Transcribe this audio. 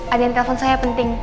adian telepon saya penting